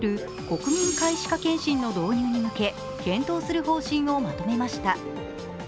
国民皆歯科検診の導入に向け検討する方針をまとめました。